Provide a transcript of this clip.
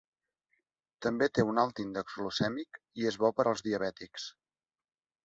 També té un alt índex glucèmic i és bo per als diabètics.